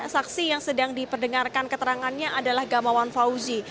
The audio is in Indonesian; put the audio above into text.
saksi yang sedang diperdengarkan keterangannya adalah gamawan fauzi